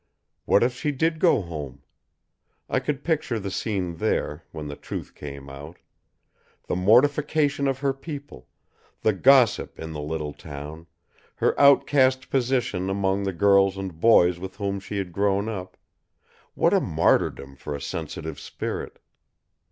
What if she did go home? I could picture the scene there, when the truth came out. The mortification of her people, the gossip in the little town, her outcast position among the girls and boys with whom she had grown up what a martyrdom for a sensitive spirit!